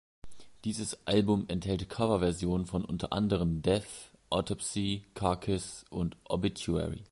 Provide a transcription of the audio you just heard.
Dieses Album enthält Coverversionen von unter anderem Death, Autopsy, Carcass und Obituary.